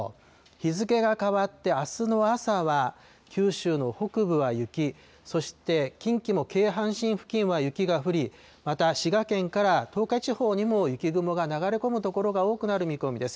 日付が変わってあすの朝は、九州の北部は雪、そして近畿も京阪神付近は雪が降り、また滋賀県から東海地方にも雪雲が流れ込む所が多くなる見込みです。